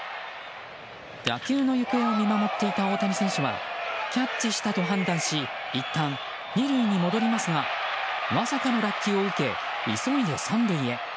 打球の行方を見守っていた大谷選手はキャッチしたと判断しいったん２塁に戻りますがまさかの落球を受け急いで３塁へ。